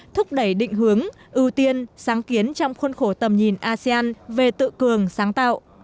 thúc đẩy định hướng ưu tiên sáng kiến trong khuôn khổ tầm nhìn asean về tự cường sáng tạo